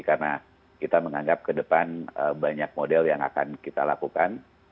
karena kita menganggap ke depan banyak model yang akan kita lakukan